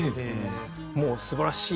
もう素晴らしい。